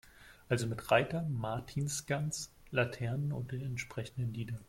Also mit Reiter, Martinsgans, Laternen und den entsprechenden Liedern.